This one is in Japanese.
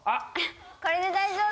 これで大丈夫。